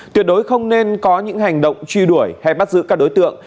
tuyệt đối không nên có những hành động truy đuổi hay bắt giữ các đối tượng